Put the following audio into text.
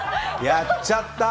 やっちゃった。